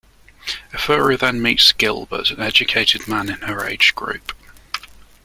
Efuru then meets Gilbert, an educated man in her age group.